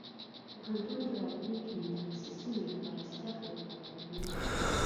پوهنتون د راتلونکي متخصصينو لپاره زده کړې برابروي.